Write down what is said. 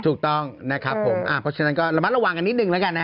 ถูกต้องนะครับผมเพราะฉะนั้นก็ระมัดระวังกันนิดนึงแล้วกันนะ